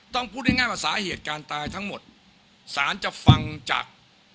พูดง่ายว่าสาเหตุการตายทั้งหมดสารจะฟังจาก